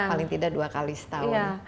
paling tidak dua kali setahun